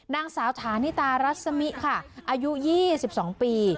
นางสาวฐานิตารัสมิค่ะอายุ๒๒ปี